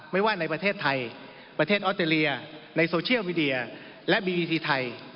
ไม่ว่าในประเทศไทยประเทศออสเตรเลียในโซเชียลมีเดียและบีอีทีไทย